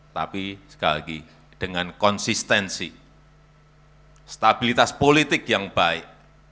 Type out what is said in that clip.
tapi sekali lagi dengan konsistensi stabilitas politik yang baik